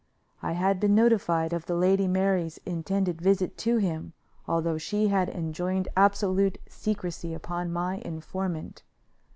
I had been notified of the Lady Mary's intended visit to him, although she had enjoined absolute secrecy upon my informant.